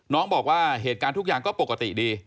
น้องบอกว่าเหตุการณ์ทุกอย่างก็ปกติดี